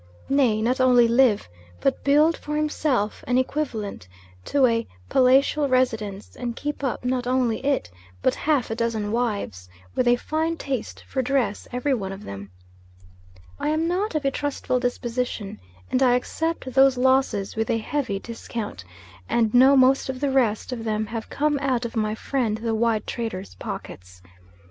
Nay, not only live, but build for himself an equivalent to a palatial residence, and keep up, not only it, but half a dozen wives, with a fine taste for dress every one of them. I am not of a trustful disposition and I accept those "losses" with a heavy discount, and know most of the rest of them have come out of my friend the white trader's pockets.